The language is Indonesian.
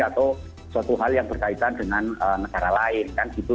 atau suatu hal yang berkaitan dengan negara lain kan gitu